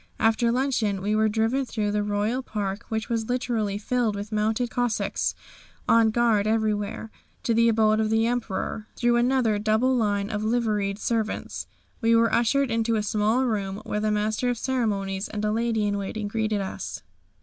After luncheon we were driven through the royal park which was literally filled with mounted Cossacks on guard everywhere, to the abode of the Emperor. Through another double line of liveried servants we were ushered into a small room where the Master of Ceremonies and a lady in waiting greeted us.